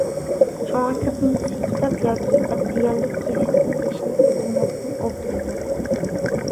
شۇڭا كۆپىنچىسى كىتاب ياكى ئەتىگەنلىك گېزىتتىن بېشىنى كۆتۈرمەستىن ئولتۇرىدۇ.